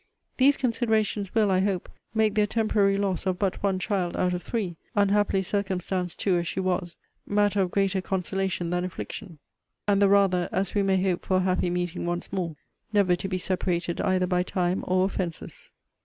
'These considerations will, I hope, make their temporary loss of but one child out of three (unhappily circumstances too as she was) matter of greater consolation than affliction. And the rather, as we may hope for a happy meeting once more, never to be separated either by time or offences.'